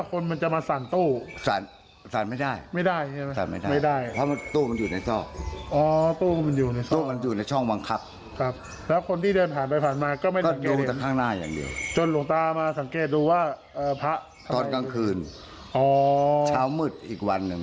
คุณผู้ชมว่ายังไงกับภาพนี้